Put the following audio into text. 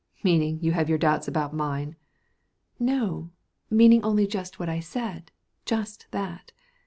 "Meaning, you have your doubts about mine." "No, meaning only just what I said just that.